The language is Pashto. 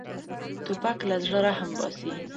توپک له زړه رحم باسي.